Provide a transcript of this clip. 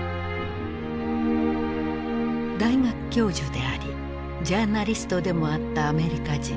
大学教授でありジャーナリストでもあったアメリカ人